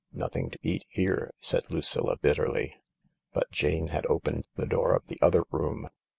" Nothing to eat here I " said Lucilla bitterly. But Jane had opened the door of the other room.